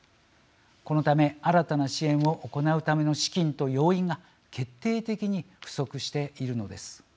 このため新たな支援を行うための資金と要員が決定的に不足しているのです。